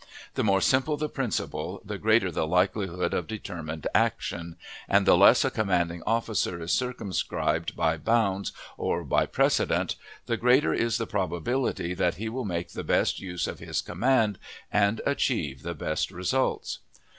The more simple the principle, the greater the likelihood of determined action; and the less a commanding officer is circumscribed by bounds or by precedent, the greater is the probability that he will make the best use of his command and achieve the best results.